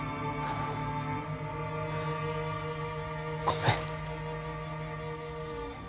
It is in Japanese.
ごめん。